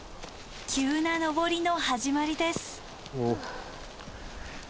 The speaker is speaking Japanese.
急な登りの始まりです。